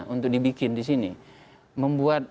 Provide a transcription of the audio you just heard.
untuk dibikin di sini membuat